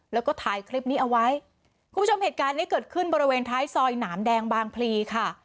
แล้วก็ถ่ายคลิปนี้เอาไว้คุณผู้ชมเหตุการณ์นี้เกิดขึ้นบริเวณท้ายซอยหนามแดงบางพลีค่ะ